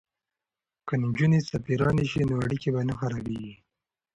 که نجونې سفیرانې شي نو اړیکې به نه خرابیږي.